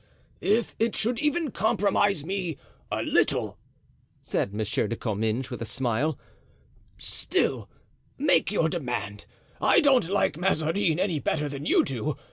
"If it should even compromise me a little," said Monsieur de Comminges, with a smile, "still make your demand. I don't like Mazarin any better than you do.